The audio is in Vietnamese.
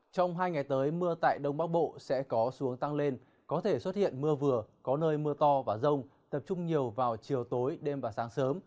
trong hai ngày tới mưa tại đông bắc bộ sẽ có xuống tăng lên có thể xuất hiện mưa vừa có nơi mưa to và rông tập trung nhiều vào chiều tối đêm và sáng sớm